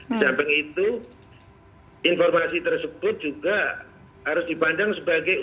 di samping itu informasi tersebut juga harus dipandang sebagai upaya